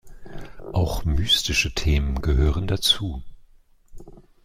Auch mystische Themen gehören dazu.